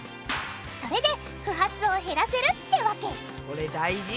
それで不発を減らせるってわけこれ大事！